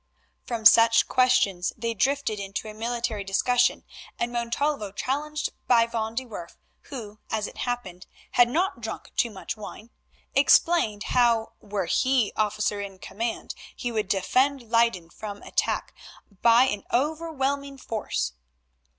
From such questions they drifted into a military discussion, and Montalvo, challenged by Van de Werff, who, as it happened, had not drunk too much wine, explained how, were he officer in command, he would defend Leyden from attack by an overwhelming force.